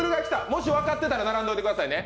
もし分かってたら並んでおいてくださいね。